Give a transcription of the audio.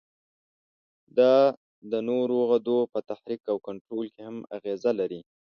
دا د نورو غدو په تحریک او کنترول کې هم اغیزه لري.